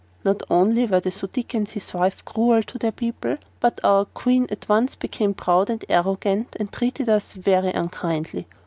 Not only were the Su dic and his wife cruel to their people, but our Queen at once became proud and arrogant and treated us very unkindly.